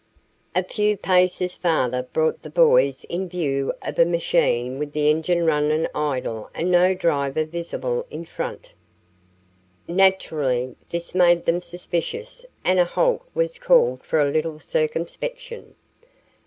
A few paces farther brought the boys in view of a machine with the engine running idle and no driver visible in front. Naturally this made them suspicious and a halt was called for a little circumspection.